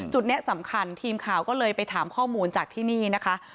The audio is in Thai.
จุดนี้สำคัญทีมข่าวก็เลยไปถามข้อมูลจากที่นี่นะคะ